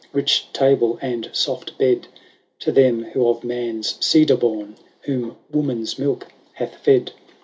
Rich table and soft bed. To them who of man's seed are born. Whom woman's milk hath fed.